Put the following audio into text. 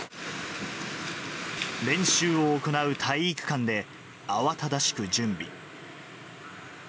練習を行う体育館で、慌ただしく準備。